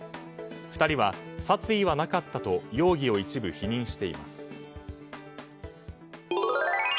２人は殺意はなかったと容疑を一部否認しています。